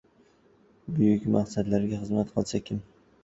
Buyuk maqsadlarga xizmat qilsa kim